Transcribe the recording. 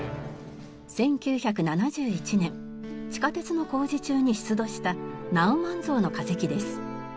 １９７１年地下鉄の工事中に出土したナウマン象の化石です。